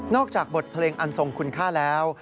จากบทเพลงอันทรงคุณค่าแล้ว